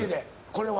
これは。